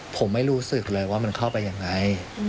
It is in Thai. ผมไม่รู้สึกเลยว่ามันเข้าไปยังไง